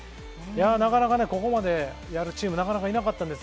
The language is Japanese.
なかなかここまでやるチーム、なかなかいなかったんです。